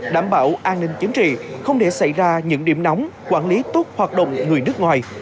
đảm bảo an ninh chính trị không để xảy ra những điểm nóng quản lý tốt hoạt động người nước ngoài